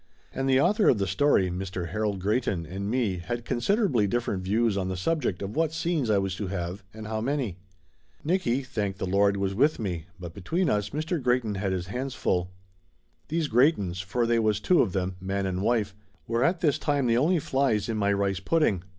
And the author of the story, Mr. Harold Greyton, and me had considerably different views on the subject of what scenes I was to have, and how many. Nicky, thank the Lord, was with me, but be tween us Mr. Greyton had his hands full. These Greytons, for they was two of them, man and wife, were at this time the only flies in my rice pudding.